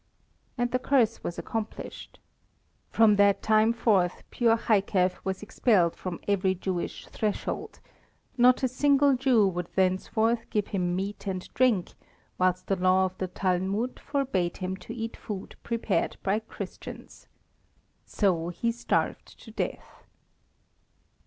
And the curse was accomplished. From that time forth poor Jaikef was expelled from every Jewish threshold, not a single Jew would thenceforth give him meat and drink, whilst the law of the Talmud forbade him to eat food prepared by Christians. So he starved to death.